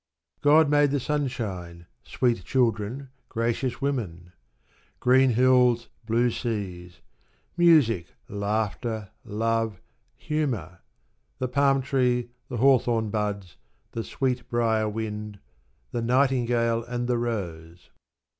God made the sunshine, sweet children, gracious women; green hills, blue seas; music, laughter, love, humour; the palm tree, the hawthorn buds, the "sweet briar wind"; the nightingale and the rose.